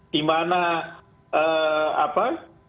di mana apa